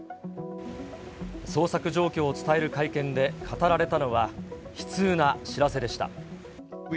捜索状況を伝える会見で語られたのは、悲痛な知らせでした。